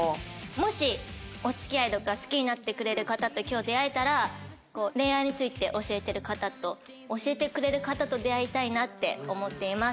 もしお付き合いとか好きになってくれる方と今日出会えたら恋愛について教えてる方と教えてくれる方と出会いたいなって思っています。